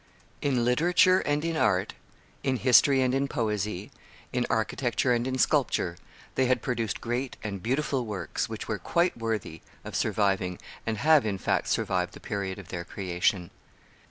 In literature and in art, in history and in poesy, in architecture and in sculpture, they had produced great and beautiful works, which were quite worthy of surviving, and have, in fact, survived the period of their creation.